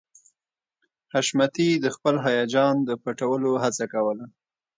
حشمتي د خپل هيجان د پټولو هڅه کوله